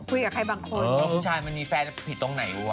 คุยกับใครบางคนผู้ชายมันมีแฟนผิดตรงไหนวะ